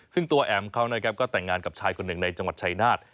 ซึ่งตัวแอ๋มเขาก็แต่งงานกับชายคนหนึ่งในจังหวัดชายนาฏ